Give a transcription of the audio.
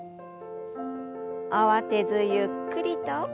慌てずゆっくりと。